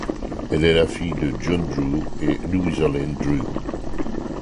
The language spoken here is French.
Elle est la fille de John Drew et Louisa Lane Drew.